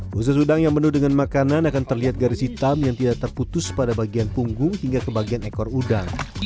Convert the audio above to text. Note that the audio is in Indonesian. khusus udang yang penuh dengan makanan akan terlihat garis hitam yang tidak terputus pada bagian punggung hingga ke bagian ekor udang